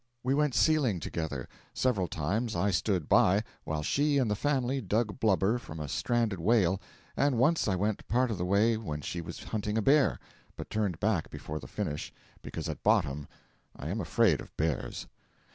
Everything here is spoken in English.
We went sealing together; several times I stood by while she and the family dug blubber from a stranded whale, and once I went part of the way when she was hunting a bear, but turned back before the finish, because at bottom I am afraid of bears.